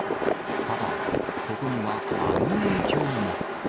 ただ、そこにはあの影響も。